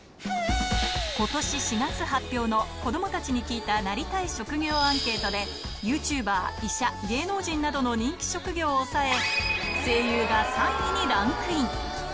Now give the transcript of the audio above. ことし４月発表の子どもたちに聞いたなりたい職業アンケートで、ユーチューバー、医者、芸能人などの人気職業を抑え、声優が３位にランクイン。